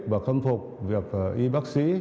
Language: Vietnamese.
và khâm phục việc y bác sĩ